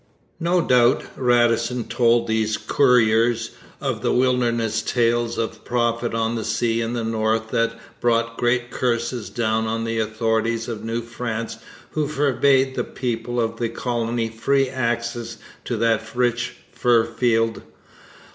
No doubt Radisson told those couriers of the wilderness tales of profit on the sea in the north that brought great curses down on the authorities of New France who forbade the people of the colony free access to that rich fur field.